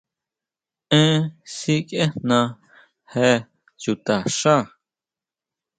¿Èn sikiejna jé chuta xá?